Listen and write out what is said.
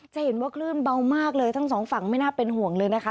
จะเห็นว่าคลื่นเบามากเลยทั้งสองฝั่งไม่น่าเป็นห่วงเลยนะคะ